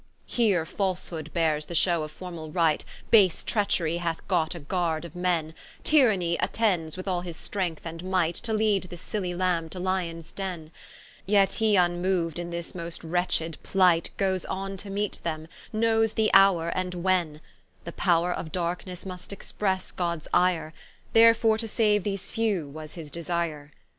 Here Falshood beares the shew of formall Right, Base Treacherie hath gote a guard of men; Tyranny attends, with all his strength and might, To leade this siely Lamb to Lyons denne; Yet he vnmoou'd in this most wretched plight, Goes on to meete them, knowes the houre, and when: The powre of darkenesse must expresse Gods ire, Therefore to saue these few was his desire.